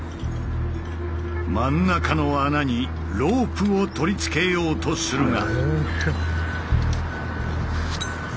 真ん中の穴にロープをとりつけようとするが。